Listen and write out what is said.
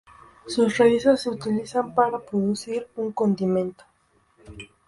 Sus raíces se utilizan para producir un condimento.